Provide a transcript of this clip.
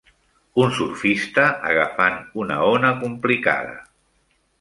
un surfista agafant una ona complicada